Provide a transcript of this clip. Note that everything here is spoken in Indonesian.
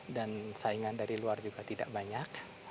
dan saingan dari luar juga tidak banyak